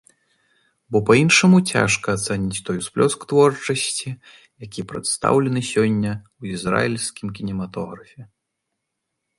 Бо па-іншаму цяжка ацаніць той усплёск творчасці, які прадстаўлены сёння ў ізраільскім кінематографе.